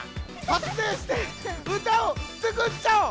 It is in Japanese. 発電して歌を作っちゃおう！